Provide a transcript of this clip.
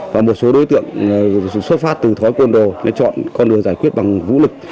và một số đối tượng xuất phát từ thói quen đồ nó chọn con đường giải quyết bằng vũ lực